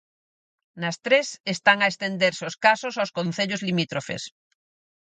Nas tres, están a estenderse os casos aos concellos limítrofes.